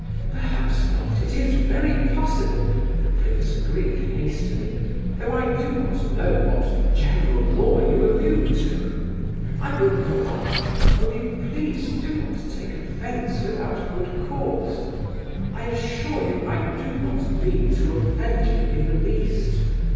"Perhaps not; it is very possible," the prince agreed hastily, "though I do not know what general law you allude to. I will go on—only please do not take offence without good cause. I assure you I do not mean to offend you in the least.